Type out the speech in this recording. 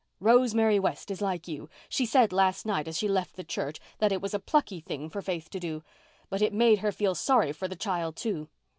Rosemary West is like you—she said last night as she left the church that it was a plucky thing for Faith to do, but it made her feel sorry for the child, too.